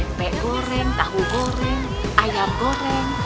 tempe goreng tahu goreng ayam goreng